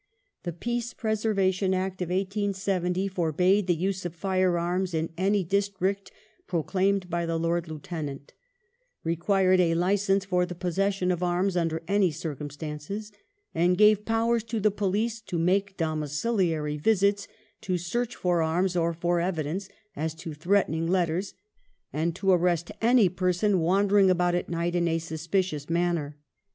The Peace Preservation Act of 1870 forbade the use of fire arms in any district proclaimed by the Lord Lieutenant ; required a licence for the possession of arms under any circumstances, and gave powers to the police to make domicili ary visits to search for arms or for evidence as to threatening letters, and to arrest any person wandering about at night in a suspicious manner.